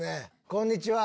こんにちは。